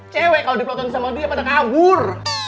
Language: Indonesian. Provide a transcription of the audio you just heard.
cewek kalau dipelontoin sama dia pada kabur